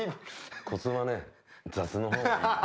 コツはね雑の方がいいんだ。